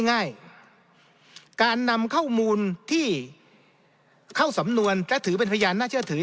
ง่ายการนำข้อมูลที่เข้าสำนวนและถือเป็นพยานน่าเชื่อถือ